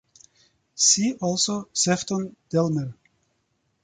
See also Sefton Delmer.